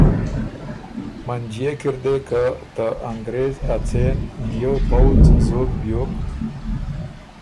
منجئے کی ر دې که ته انګرېز ا څېن نیوو پؤځ زوک بیوک